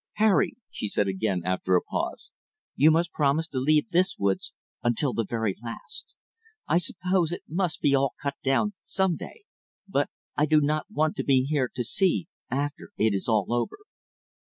"Harry," she said again, after a pause, "you must promise to leave this woods until the very last. I suppose it must all be cut down some day, but I do not want to be here to see after it is all over."